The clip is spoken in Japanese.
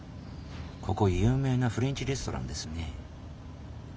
ここ有名なフレンチレストランですね。